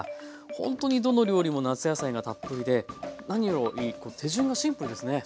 ほんとにどの料理も夏野菜がたっぷりで何より手順がシンプルですね。